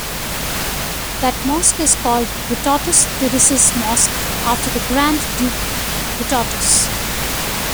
That mosque is called Vytautas Didysis Mosque after the Grand Duke Vytautas.